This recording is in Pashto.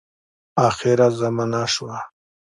آخره زمانه سوه .